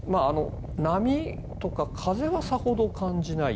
波とか風はさほど感じない。